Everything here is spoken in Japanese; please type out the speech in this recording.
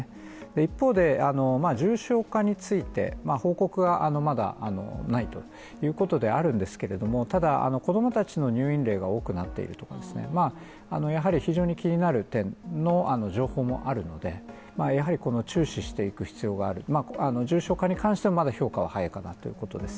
一方で重症化について報告はまだないということであるんですけれどもただ子供たちの入院例が多くなっているとかですね、やはり非常に気になる情報もあるのでやはりこの注視していく必要がある重症化に関してはまだ評価は早いかなということです。